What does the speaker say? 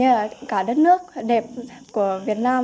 như là cả đất nước đẹp của việt nam